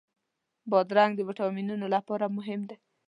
بادرنګ د ویټامینونو لپاره مهم دی.